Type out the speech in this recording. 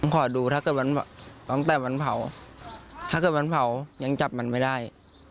ขอดูตั้งแต่วันเผาถ้าเป็นวันเผายังจับมันไม่ได้